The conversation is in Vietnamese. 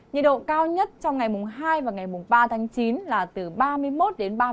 nhật độ cao nhất trong ngày mùng hai và ngày mùng ba tháng chín là từ ba mươi một ba mươi bốn độ